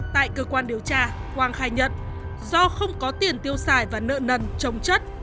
tại cơ quan điều tra quang khai nhận do không có tiền tiêu xài và nợ nần trồng chất